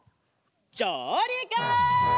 じょうりく！